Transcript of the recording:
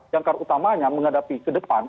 jangkar utamanya menghadapi ke depan